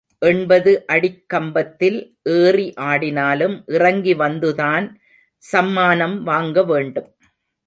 எண்பது அடிக் கம்பத்தில் ஏறி ஆடினாலும் இறங்கி வந்துதான் சம்மானம் வாங்க வேண்டும்!